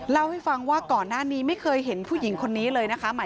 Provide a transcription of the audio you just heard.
เล่าให้ฟังว่าก่อนหน้านี้ไม่เคยเห็นผู้หญิงคนนี้เลยนะคะ